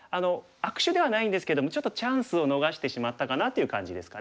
悪手ではないんですけどもちょっとチャンスを逃してしまったかなっていう感じですかね。